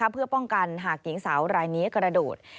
เพื่อป้องกันหากหญิงสาวรายนี้กระโดด